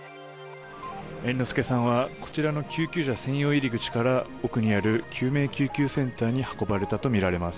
猿之助さんはこちらの救急車専用入り口から奥にある救命救急センターに運ばれたとみられます。